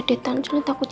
di tempat ini